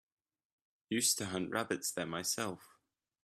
Used to hunt rabbits there myself.